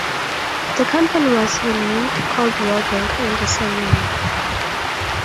The company was renamed Coldwell Banker in the same year.